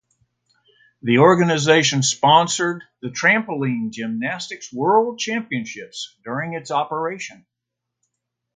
The organization sponsored the Trampoline Gymnastics World Championships during its operation.